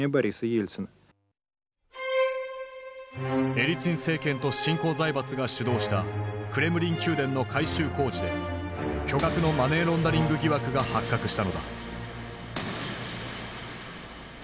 エリツィン政権と新興財閥が主導したクレムリン宮殿の改修工事で巨額のマネーロンダリング疑惑が発覚したのだ。